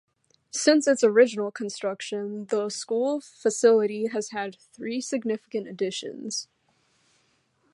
Since its original construction, the school facility has had three significant additions.